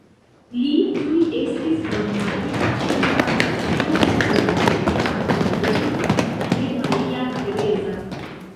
Li tuj estis ornamita kun la Kruco de la Armea ordeno de Maria Tereza.